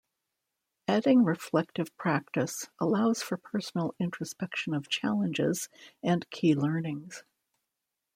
Adding reflective practice, allows for personal introspection of challenges and key learnings.